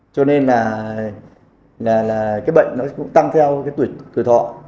cho nên là cái bệnh nó cũng tăng theo